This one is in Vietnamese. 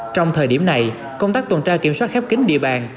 trong thời điểm này công tác tuần tra kiểm soát khép kính địa bàn